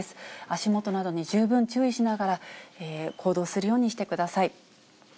足元などに十分注意しながら、行動するようにしてください。